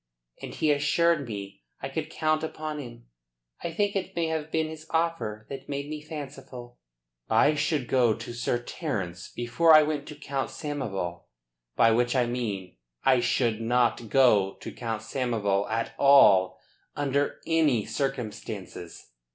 And he assured me I could count upon him. I think it may have been his offer that made me fanciful." "I should go to Sir Terence before I went to Count Samoval. By which I mean that I should not go to Count Samoval at all under any circumstances.